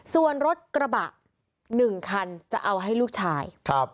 ส่วนรถกระบะ๑คันจะเอาให้ลูกชาย